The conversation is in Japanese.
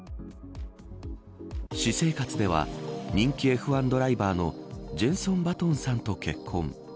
私生活では人気Ｆ１ドライバーのジェンソン・バトンさんと結婚。